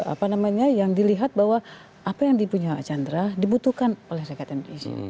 apa namanya yang dilihat bahwa apa yang dipunya archandra dibutuhkan oleh rakyat indonesia